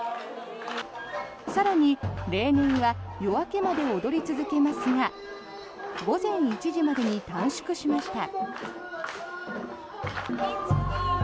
更に、例年は夜明けまで踊り続けますが午前１時までに短縮しました。